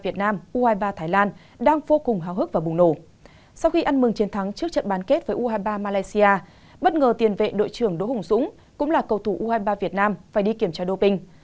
trước trận bán kết với u hai mươi ba malaysia bất ngờ tiền vệ đội trưởng đỗ hùng dũng cũng là cầu thủ u hai mươi ba việt nam phải đi kiểm tra doping